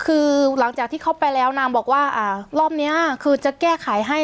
คือหลังจากที่เขาไปแล้วนางบอกว่ารอบนี้คือจะแก้ไขให้